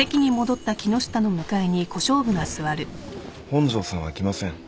本庄さんは来ません。